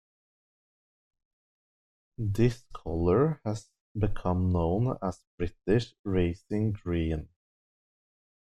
This colour has become known as "British Racing Green".